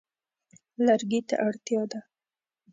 لرګي ته اړتیا ده.